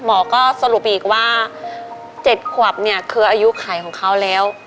หมอก็สรุปอีกว่า๗ขวบเนี่ยคืออายุไขของเขาแล้ว